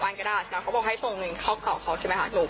เขาไม่ฝากการบอกให้ส่งหนึ่งเข้ากากเขาจริงไหมครับ